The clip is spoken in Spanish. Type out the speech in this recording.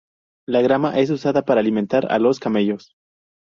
La grama es usada para alimentar a los camellos.